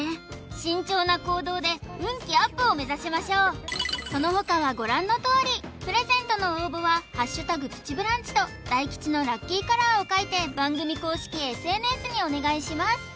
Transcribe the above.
慎重な行動で運気アップを目指しましょうその他はご覧のとおりプレゼントの応募は「＃プチブランチ」と大吉のラッキーカラーを書いて番組公式ＳＮＳにお願いします